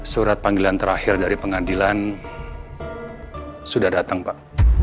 surat panggilan terakhir dari pengadilan sudah datang pak